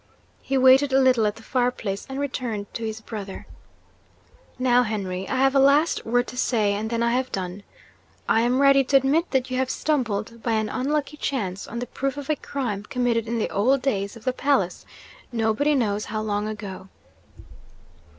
He waited a little at the fire place, and returned to his brother. 'Now, Henry, I have a last word to say, and then I have done. I am ready to admit that you have stumbled, by an unlucky chance, on the proof of a crime committed in the old days of the palace, nobody knows how long ago.